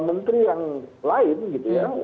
menteri yang lain gitu ya